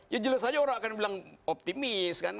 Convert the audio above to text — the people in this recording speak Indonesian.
ya jelas saja orang akan bilang optimis kan